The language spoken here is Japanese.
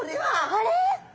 あれ？